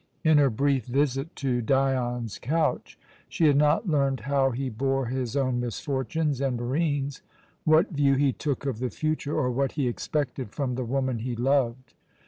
In her brief visit to Dion's couch she had not learned how he bore his own misfortunes and Barine's, what view he took of the future, or what he expected from the woman he loved.